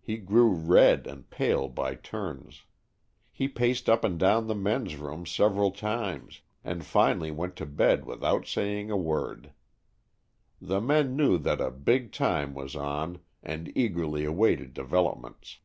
He grew red and pale by turns. He paced up and down the ''men's room" several times, and finally went to bed without saying a word. The men knew that a "big time" was on and eagerly awaited develop ments.